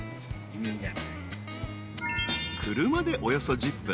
［車でおよそ１０分。